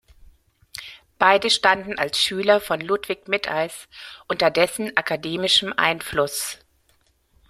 Beide standen als Schüler von Ludwig Mitteis unter dessen akademischem Einfluss.